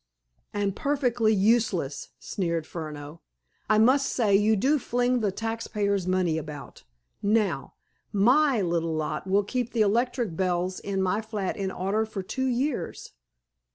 "And perfectly useless!" sneered Furneaux. "I must say you do fling the taxpayers' money about. Now, my little lot will keep the electric bells in my flat in order for two years."